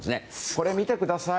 これ見てください。